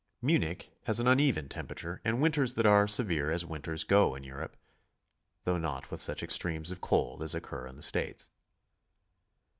Munich has an uneven temperature and winters that are severe as winters go in Europe, though not with such extremes of cold as occur in the States.